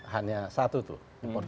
hanya satu tuh